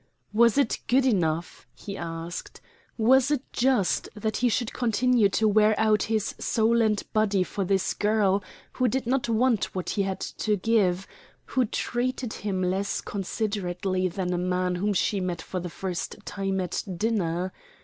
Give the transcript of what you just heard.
"Was it good enough?" he asked. "Was it just that he should continue to wear out his soul and body for this girl who did not want what he had to give, who treated him less considerately than a man whom she met for the first time at dinner?"